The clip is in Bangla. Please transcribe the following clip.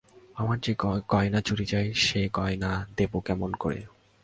আমার যে গয়না চুরি যায় সে গয়না দেব কেমন করে?